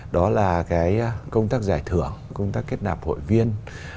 đó là cái công tác giải thưởng công tác kết nạp hội viên